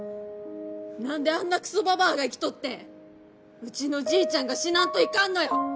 何であんなクソババアが生きとってうちのじいちゃんが死なんといかんのよ！